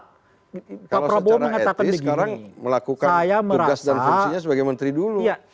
kalau secara etis sekarang melakukan tugas dan fungsinya sebagai menteri dulu